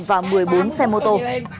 và một mươi bốn xe mô tô